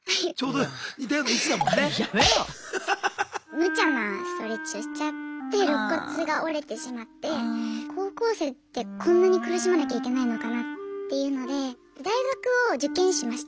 むちゃなストレッチをしちゃってろっ骨が折れてしまって高校生ってこんなに苦しまなきゃいけないのかなっていうので大学を受験しました。